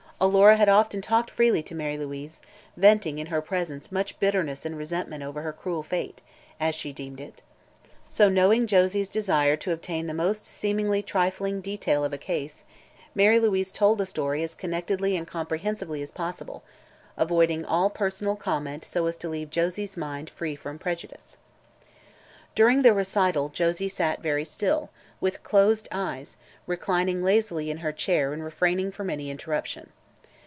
Alora had often talked freely to Mary Louise, venting in her presence much bitterness and resentment over her cruel fate as she deemed it. So, knowing Josie's desire to obtain the most seemingly trifling detail of a case, Mary Louise told the story as connectedly and comprehensively as possible, avoiding all personal comment so as to leave Josie's mind free from prejudice. During the recital Josie sat very still, with closed eyes, reclining lazily in her chair and refraining from any interruption.